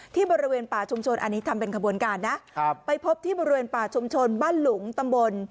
ที่บริเวณป่าชุมชนอันนี้ทำเป็นขบวนการนะครับไปพบที่บริเวณป่าชุมชนบ้านหลุงตำบล